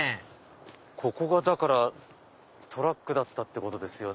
ここがトラックだったってことですよね。